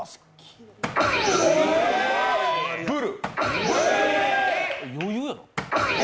ブル！